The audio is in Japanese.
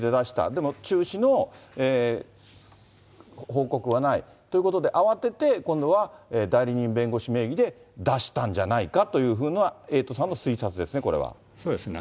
でも中止の報告はないということで、慌てて今度は代理人弁護士名義で出したんじゃないかというなのは、そうですね。